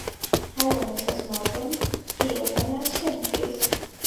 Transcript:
Hello, Mrs Norton কি ওখানে আছেন, প্লিজ?